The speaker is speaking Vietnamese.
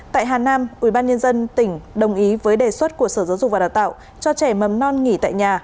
tại hà nam ubnd tỉnh đồng ý với đề xuất của sở giáo dục và đào tạo cho trẻ mầm non nghỉ tại nhà